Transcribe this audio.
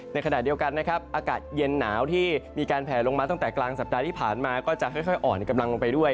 ในขณะเดียวกันนะครับอากาศเย็นหนาวที่มีการแผลลงมาตั้งแต่กลางสัปดาห์ที่ผ่านมาก็จะค่อยอ่อนกำลังลงไปด้วย